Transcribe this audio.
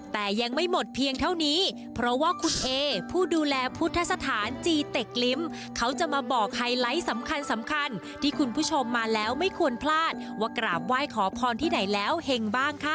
แต่ยังไม่หมดเพียงเท่านี้เพราะว่าคุณเอผู้ดูแลพุทธสถานจีเต็กลิ้มเขาจะมาบอกไฮไลท์สำคัญสำคัญที่คุณผู้ชมมาแล้วไม่ควรพลาดว่ากราบไหว้ขอพรที่ไหนแล้วเห็งบ้างค่ะ